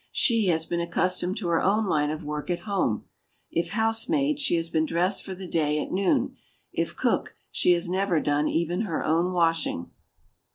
She has been accustomed to her own line of work at home; if housemaid, she has been dressed for the day at noon; if cook, she has never done even her own washing.